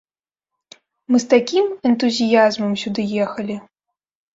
Мы з такім энтузіязмам сюды ехалі.